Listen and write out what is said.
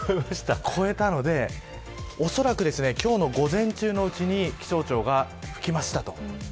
超えたので、おそらく今日の午前中のうちに気象庁が、吹きましたと。